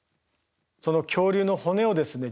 その恐竜の骨をですね